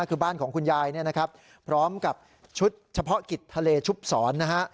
คือบ้านของคุณยายเนี่ยนะครับพร้อมกับชุดเฉพาะกิจทะเลชุบสอนนะฮะ